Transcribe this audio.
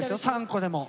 ３個でも。